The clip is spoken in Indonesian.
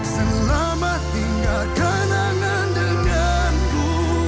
selamat tinggalkan angan denganku